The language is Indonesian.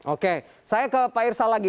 oke saya ke pak irsa lagi